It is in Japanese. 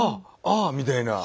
あ！みたいな。